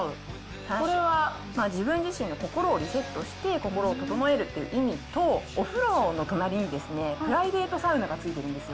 自分自身の心をリセットして、心を整えるっていう意味と、お風呂の隣にプライベートサウナが付いてるんですよ。